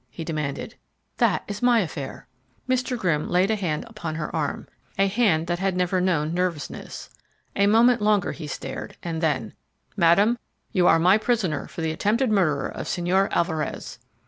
he demanded. "That is my affair." Mr. Grimm laid a hand upon her arm, a hand that had never known nervousness. A moment longer he stared, and then: "Madam, you are my prisoner for the attempted murder of Señor Alvarez!"